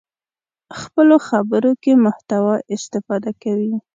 خپلو خبرو کې محتوا استفاده کوي.